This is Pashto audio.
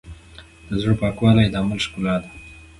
د زړۀ پاکوالی د عمل ښکلا ده.